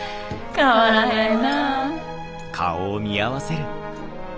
変わらないなぁ。